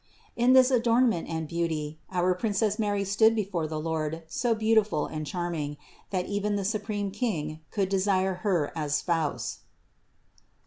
83. In this adornment and beauty our Princess Mary stood before the Lord so beautiful and charming, that even the supreme King could desire Her as Spouse ( Ps.